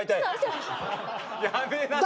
やめなさいって。